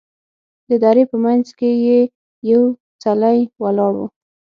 د درې په منځ کې یې یو څلی ولاړ و.